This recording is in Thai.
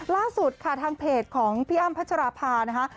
ล่าสุดค่ะทางเพจของพี่อ้ำพัชราภานะคะ